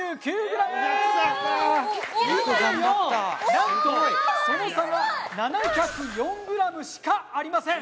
なんとその差は７０４ｇしかありません！